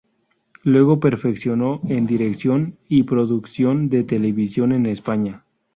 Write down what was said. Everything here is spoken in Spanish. Luego perfeccionó en dirección y producción de televisión en España.